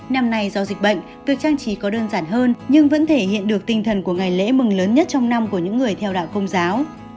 năm nay do dịch bệnh việc trang trí có đơn giản hơn nhưng vẫn thể hiện được tinh thần của ngày lễ mừng lớn nhất trong năm của những người theo đạo công giáo